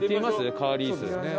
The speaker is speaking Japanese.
カーリース。